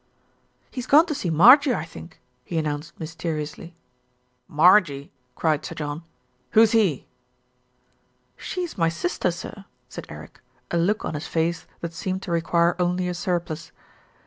"He's gone to see Marjie, I think," he announced mysteriously. "Marjie!" cried Sir John. "Who's he?" "She's my sister, sir," said Eric, a look on his face that seemed to require only a surplice.